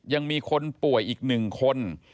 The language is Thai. ยังมีคนป่วยอีก๑คน